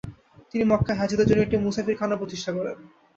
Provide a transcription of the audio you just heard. তিনি মক্কায় হাজীদের জন্য একটি 'মুসাফিরখানাও প্রতিষ্ঠা করেন।